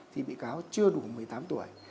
thì bị cáo chưa đủ một mươi tám tuổi